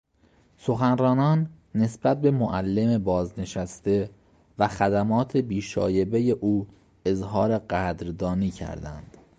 سخنرانان نسبت به معلم بازنشسته و خدمات بی شایبهی او اظهار قدردانی کردند.